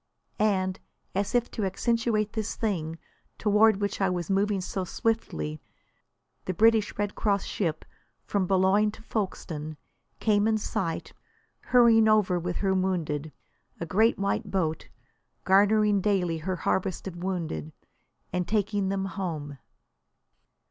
And as if to accentuate this thing toward which I was moving so swiftly, the British Red Cross ship, from Boulogne to Folkstone, came in sight, hurrying over with her wounded, a great white boat, garnering daily her harvest of wounded and taking them "home."